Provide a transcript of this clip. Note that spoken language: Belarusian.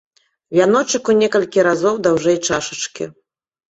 Вяночак у некалькі разоў даўжэй чашачкі.